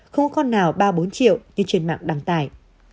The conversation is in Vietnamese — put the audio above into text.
không con nào ba bốn triệu như trên mạng đăng tải